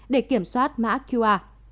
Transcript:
để kiểm soát mã qr